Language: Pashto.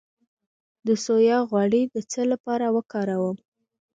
د سویا غوړي د څه لپاره وکاروم؟